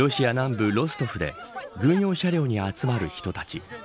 ロシア南部ロストフで軍用車両に集まる人たち。